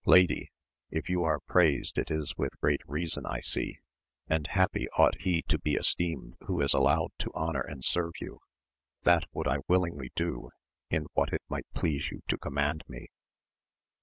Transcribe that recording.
Lady, if you are praised it is with great reason I see, and happy ought he to be esteemed who is allowed to honour and serve you ; that would I willingly do in what it might please you to command me.